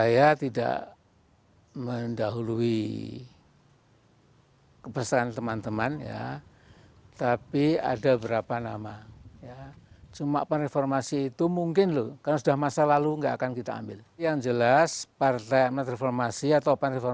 pada saat ini apa yang anda inginkan untuk melakukan